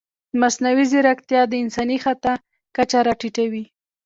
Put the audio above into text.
مصنوعي ځیرکتیا د انساني خطا کچه راټیټوي.